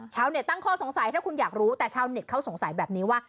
ชาวเน็ตตั้งข้อสงสัยถ้าคุณอยากรู้แต่ชาวเน็ตเขาสงสัยแบบนี้ว่า